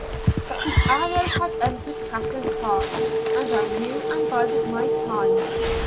"But the arrow had entered Katherine's heart, and I knew and bided my time.